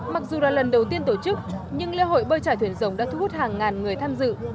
mặc dù là lần đầu tiên tổ chức nhưng lễ hội bơi trải thuyền rồng đã thu hút hàng ngàn người tham dự